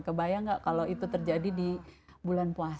kebayang nggak kalau itu terjadi di bulan puasa